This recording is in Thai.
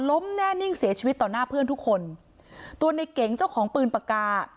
ล้มแน่นิ่งเสียชีวิตต่อหน้าเพื่อนทุกคนตัวในเก๋งเจ้าของปืนปากกา